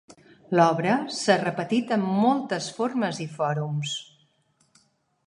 L'obra s'ha repetit en moltes formes i fòrums.